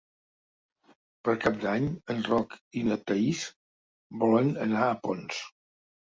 Per Cap d'Any en Roc i na Thaís volen anar a Ponts.